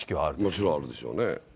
もちろんあるでしょうね。